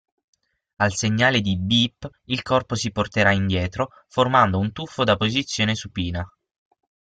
Al segnale di "Beep" il corpo si porterà indietro formando un tuffo da posizione supina.